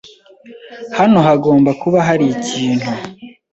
Hano hagomba kuba hari ikintu.